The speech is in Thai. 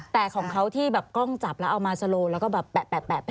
แต่ของเขาที่แบบกล้องจับแล้วเอามาสโลแล้วก็แบบแปะ